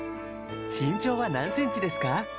身長は何センチですか？